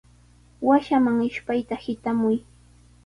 Washaman ishpayta hitramuy.